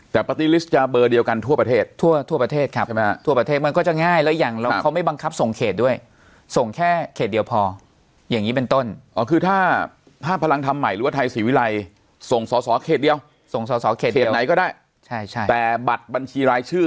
แต่ปาร์ตี้ลิสต์จะเบอร์เดียวกันทั่วประเทศทั่วทั่วประเทศครับใช่ไหมฮะทั่วประเทศมันก็จะง่ายแล้วอย่างเราเขาไม่บังคับส่งเขตด้วยส่งแค่เขตเดียวพออย่างนี้เป็นต้นอ๋อคือถ้าถ้าพลังทำใหม่หรือว่าไทยศรีวิรัยส่งสอสอเขตเดียวส่งสอสอเขตเขตไหนก็ได้ใช่ใช่แต่บัตรบัญชีรายชื่อ